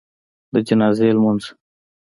د جنازي لمونځ